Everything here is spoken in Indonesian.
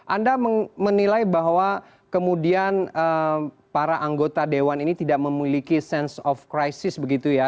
anda menilai bahwa kemudian para anggota dewan ini tidak memiliki sense of crisis begitu ya